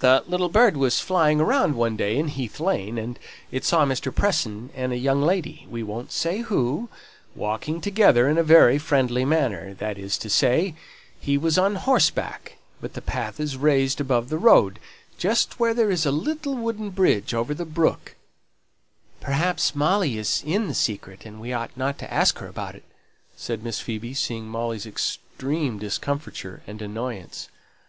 "The little bird was flying about one day in Heath Lane, and it saw Mr. Preston and a young lady we won't say who walking together in a very friendly manner, that is to say, he was on horseback; but the path is raised above the road, just where there is the little wooden bridge over the brook " "Perhaps Molly is in the secret, and we ought not to ask her about it," said Miss Phoebe, seeing Molly's extreme discomfiture and annoyance.